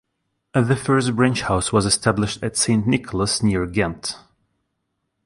The first branch house was established at Saint Nicholas, near Ghent.